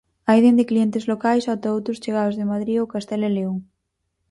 Hai dende clientes locais ata outros chegados de Madrid ou Castela e León.